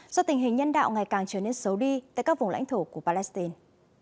do tình hình nhân đạo ngày càng trở nên xấu đi tại các vùng lãnh thổ của palestine